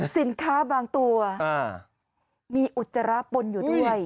สินค้าบางตัวมีอุจจาระปนอยู่ด้วย